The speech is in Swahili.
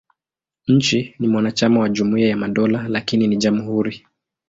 Nchi ni mwanachama wa Jumuiya ya Madola, lakini ni jamhuri.